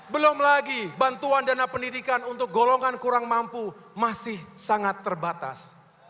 belum lagi bantuan dana pendidikan untuk golongan kurang mampu masih sangat terbatas